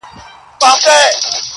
ځانته پخپله اوس زنځیر او زولنې لټوم,